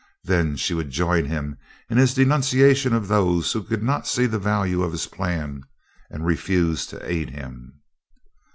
Then she would join him in his denunciation of those who could not see the value of his plan and refused to aid him.